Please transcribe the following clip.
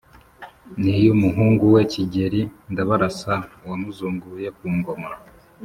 n’iy’umuhungu we Kigeli Ndabarasa wamuzunguye ku ngoma.